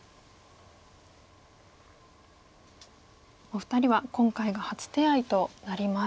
お二人は今回が初手合となります。